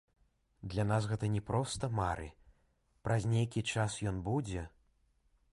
Для нас гэта не проста мары, праз нейкі час ён будзе.